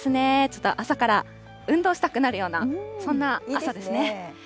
ちょっと朝から運動したくなるような、そんな朝ですね。